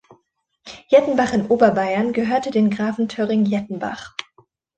Jettenbach in Oberbayern gehörte den Grafen Toerring-Jettenbach.